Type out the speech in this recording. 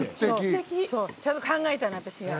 ちゃんと考えたのよ